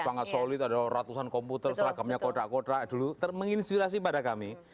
banget solid ada ratusan komputer seragamnya kodak kodak dulu termengin inspirasi pada kami